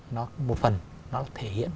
nó một phần nó thể hiện